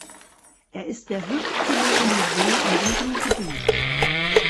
Er ist der höchstgelegene See in diesem Gebiet.